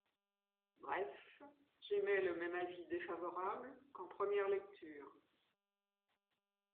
Bref, j’émets le même avis défavorable qu’en première lecture.